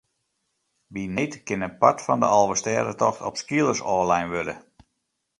By need kin in part fan de Alvestêdetocht op skeelers ôflein wurde.